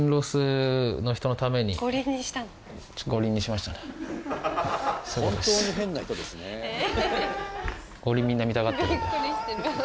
五輪みんな見たがってたんで。